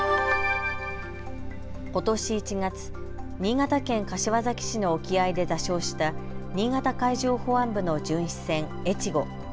ことし１月、新潟県柏崎市の沖合で座礁した新潟海上保安部の巡視船えちご。